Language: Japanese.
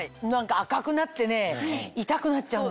赤くなってね痛くなっちゃうんだよね。